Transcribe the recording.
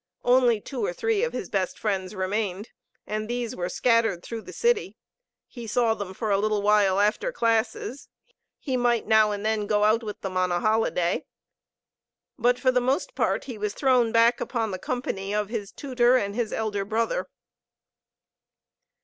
Only two or three of his best friends remained, and these were scattered through the city. He saw them for a little while after classes, he might now and then go out with them on a holiday. But for the most part he was thrown back upon the company of his tutor and his elder brother.